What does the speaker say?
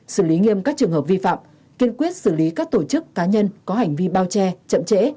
xử lý nghiêm các trường hợp vi phạm kiên quyết xử lý các tổ chức cá nhân có hành vi bao che chậm trễ